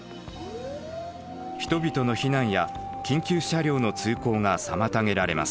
人々の避難や緊急車両の通行が妨げられます。